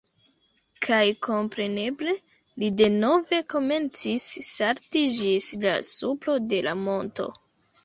Kaj kompreneble, li denove komencis salti ĝis la supro de la monto.